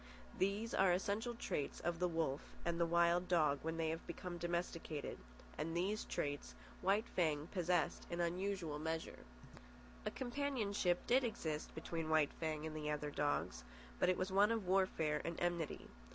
These are essential traits of the wolf and the wild dog when they have become domesticated, and these traits White Fang possessed in unusual measure. A companionship did exist between White Fang and the other dogs, but it was one of warfare and enmity.